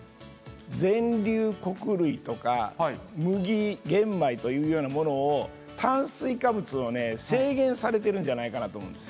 全粒穀類とか麦玄米というようなものを炭水化物をね制限されてるんじゃないかなと思うんです。